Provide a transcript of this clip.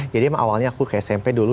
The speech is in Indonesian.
jadi emang awalnya aku ke smp dulu